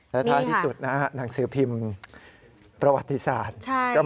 และท้ายที่สุดนะฮะหนังสือพิมพ์ประวัติศาสตร์